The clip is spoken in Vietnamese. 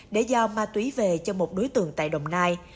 để giao ma túy về cho một đối tượng tại đồng nai